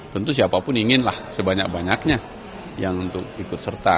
tentu siapapun inginlah sebanyak banyaknya yang untuk ikut serta